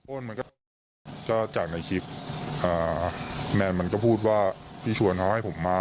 มันก็จากในคลิปแมนมันก็พูดว่าพี่ชวนเขาให้ผมมา